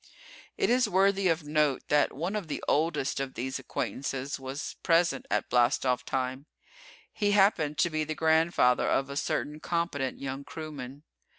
It is worthy of note that one of the oldest of these acquaintances was present at blast off time. He happened to be the grandfather of a certain competent young crewman.